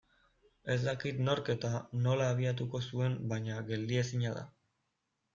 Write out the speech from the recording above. Ez dakit nork eta nola abiatuko zuen baina geldiezina da.